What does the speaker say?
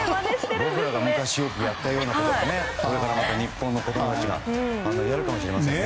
僕らが昔よくやったようなことをこれからまた日本の子供たちがやるかもしれませんね。